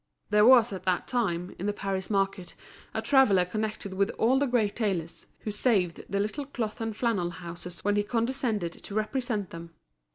There was at that time, in the Paris market, a traveller connected with all the great tailors, who saved the little cloth and flannel houses when he condescended to represent them.